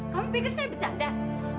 kamu pikir saya pecat gak